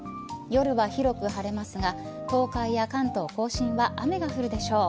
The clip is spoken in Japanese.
夜は広く晴れますが東海や関東甲信は雨が降るでしょう。